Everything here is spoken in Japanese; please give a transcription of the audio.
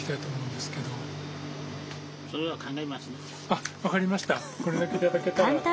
あっわかりました。